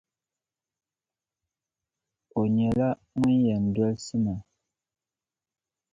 O nyɛla ŋun yɛn dolsi ma.